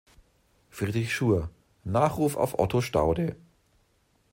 Friedrich Schur: "Nachruf auf Otto Staude".